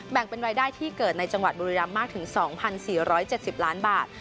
แบ่งเป็นรายได้ที่เกิดในจังหวัดบุรีรำมากถึง๒๔๗๐ล้านบาท